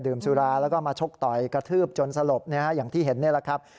สุราแล้วก็มาชกต่อยกระทืบจนสลบอย่างที่เห็นนี่แหละครับ